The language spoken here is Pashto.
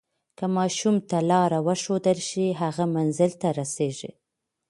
که ماشوم ته لاره وښودل شي، هغه منزل ته رسیږي.